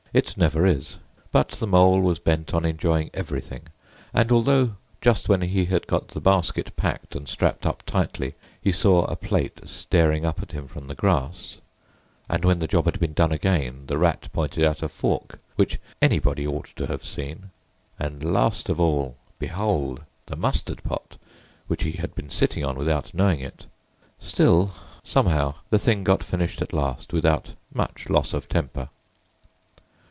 It never is. But the Mole was bent on enjoying everything, and although just when he had got the basket packed and strapped up tightly he saw a plate staring up at him from the grass, and when the job had been done again the Rat pointed out a fork which anybody ought to have seen, and last of all, behold! the mustard pot, which he had been sitting on without knowing it—still, somehow, the thing got finished at last, without much loss of temper.